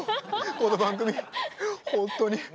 この番組本当に。